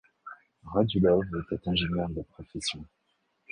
Radulov était ingénieur de profession.